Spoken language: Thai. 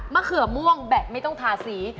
เขือม่วงแบบไม่ต้องทาสี